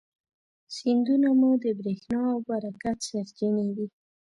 سیندونه مو د برېښنا او برکت سرچینې دي.